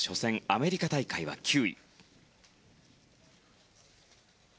アメリカ大会は９位。